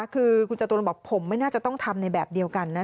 คือคุณจตุรนบอกผมไม่น่าจะต้องทำในแบบเดียวกันนะ